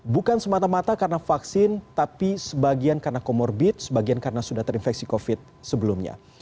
bukan semata mata karena vaksin tapi sebagian karena comorbid sebagian karena sudah terinfeksi covid sebelumnya